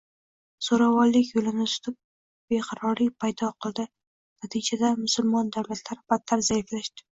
Zo‘ravonlik yo‘lini tutib, beqarorlik paydo qildi, natijada musulmon davlatlari battar zaiflashdi